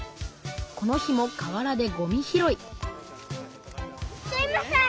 この日もかわらでごみ拾いすいません。